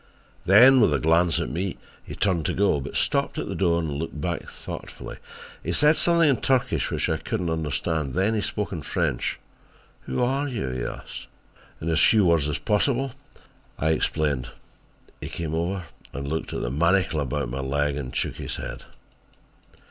"Then with a glance at me he turned to go, but stopped at the door and looked back thoughtfully. He said something in Turkish which I could not understand, then he spoke in French. "'Who are you?' he asked. "In as few words as possible I explained. He came over and looked at the manacle about my leg and shook his head.